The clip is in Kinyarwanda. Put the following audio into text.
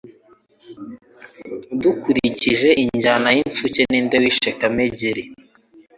Dukurikije injyana y'incuke, ninde wishe kamegeri